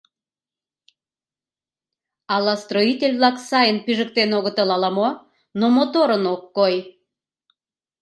Ала строитель-влак сайын пижыктен огытыл, ала мо, но моторын ок кой.